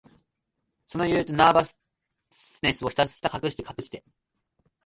その憂鬱、ナーバスネスを、ひたかくしに隠して、